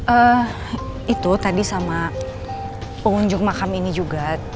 eh itu tadi sama pengunjung makam ini juga